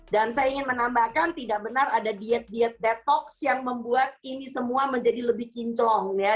dan saya ingin menambahkan tidak benar ada diet diet detox yang membuat ini semua menjadi lebih kinclong ya